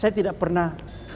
saya tidak pernah